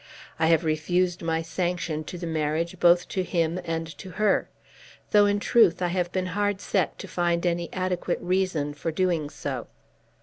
I have refused my sanction to the marriage both to him and to her, though in truth I have been hard set to find any adequate reason for doing so.